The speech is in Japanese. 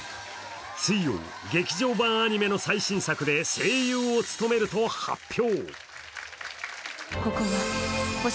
水曜、劇場版アニメの最新作で声優を務めると発表。